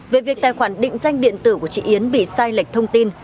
về việc tài khoản định danh điện tử của chị yến bị sai lệch thông tin